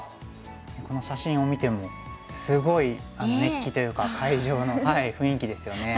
この写真を見てもすごい熱気というか会場の雰囲気ですよね。